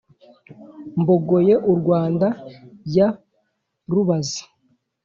mbogoye u rwanda ya rubazi